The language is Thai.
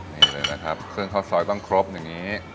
เครื่องข้าวซอยต้องครบอย่างนี้